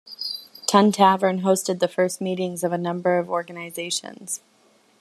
Tun Tavern hosted the first meetings of a number of organizations.